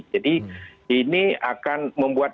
jadi ini akan membuat